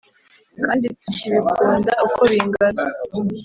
kandi tukibikunda uko bingana